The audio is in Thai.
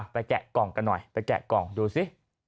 แกะกล่องกันหน่อยไปแกะกล่องดูสิ